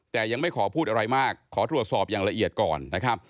แต่ยังไม่ขอพูดอะไรมากขอตรวจสอบอย่างละเอียดก่อนนะครับ